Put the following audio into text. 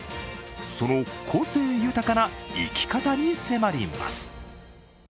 その個性豊かな生き方に迫ります。